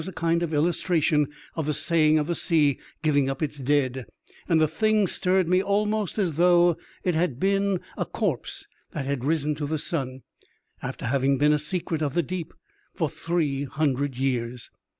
a kind of illustration of the saying of the sea giving up its dead, and the thing stirred me almost as though it had been a corpse that had risen to the sun, after having been a secret of the deep for three hundred years.